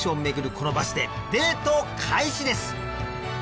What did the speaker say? このバスでデート開始です！